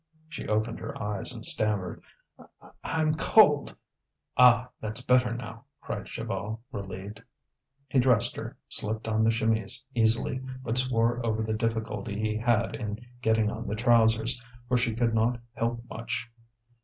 She opened her eyes and stammered: "I'm cold." "Ah! that's better now!" cried Chaval, relieved. He dressed her, slipped on the chemise easily, but swore over the difficulty he had in getting on the trousers, for she could not help much.